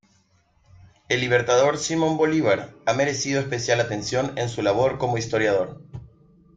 El libertador Simón Bolívar ha merecido especial atención en su labor como historiador.